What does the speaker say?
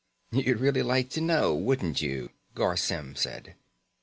"You'd really like to know, wouldn't you?" Garr Symm said.